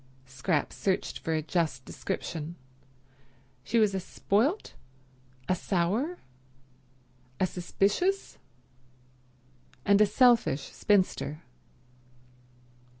Scrap searched for a just description. She was a spoilt, a sour, a suspicious, and a selfish spinster.